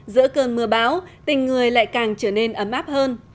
giữa cơn mưa bão tình người lại càng trở nên ấm áp hơn